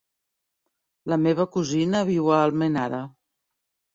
La meva cosina viu a Almenara.